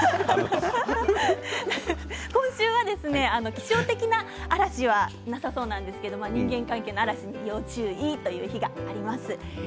気象的な嵐はなさそうですけれども、人間関係の嵐に要注意という日がありそうです。